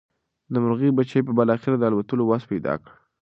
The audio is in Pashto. د مرغۍ بچي به بالاخره د الوتلو وس پیدا کړي.